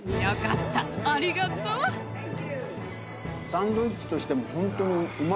サンドイッチとしてもホントにうまいわ。